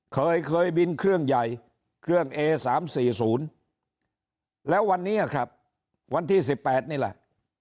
เคยเคยบินเครื่องใหญ่เครื่องเอสามสี่ศูนย์แล้ววันนี้ครับวันที่สิบแปดนี่แหละ